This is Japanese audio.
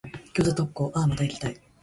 餃子特講、あぁ、また行きたい。